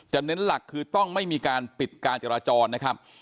เน้นหลักคือต้องไม่มีการปิดการจราจรนะครับ